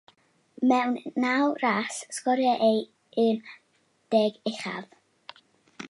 Mewn naw ras, sgoriodd e un deg uchaf.